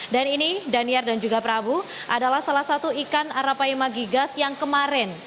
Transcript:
dan ini daniar dan juga prabu adalah salah satu ikan arapaima gigas yang kemarin